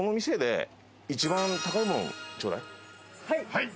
はい。